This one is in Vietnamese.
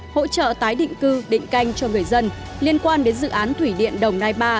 hỗ trợ tái định cư định canh cho người dân liên quan đến dự án thủy điện đồng nai ba